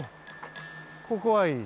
ここはいい。